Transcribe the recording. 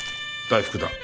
大福だ。